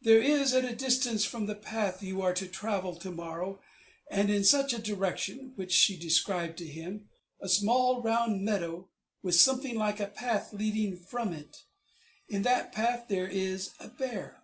There is, at a distance from the path you are to travel to morrow, and in such a direction' (which she described to him), 'a small round meadow, with something like a path leading from it; in that path there is a bear.'